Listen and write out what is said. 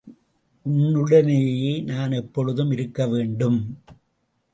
உன்னுடனேயே நான் எப்பொழுதும் இருக்கவேண்டும்.